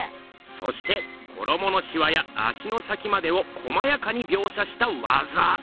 そして衣のシワや足の先までをこまやかに描写したわざ。